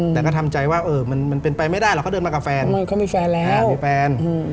แต่ก็ทำใจว่าเออมันเป็นไปไม่ได้หรอกเขาเดินมากับแฟนเขามีแฟนแล้วมีแฟน